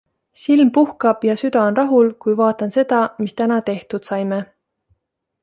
Silm puhkab ja süda on rahul, kui vaatan seda, mis täna tehtud saime.